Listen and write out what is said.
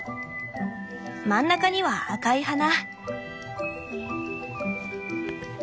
真ん中には赤い花！